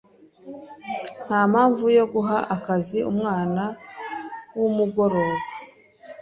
Ntampamvu yo guha akazi umwana wumugoroba